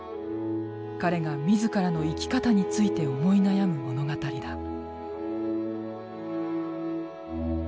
彼が自らの生き方について思い悩む物語だ。